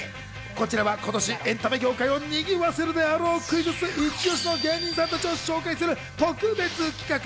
こちらは今年エンタメ業界をにぎわせるであろう、クイズッスイチオシの芸人さんたちを紹介する特別企画。